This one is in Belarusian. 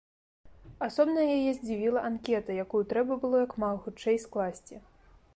Асобна яе здзівіла анкета, якую трэба было як мага хутчэй скласці.